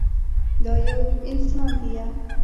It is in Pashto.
دا يو انسان ديه.